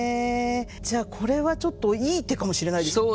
じゃあこれはちょっといい手かもしれないですね。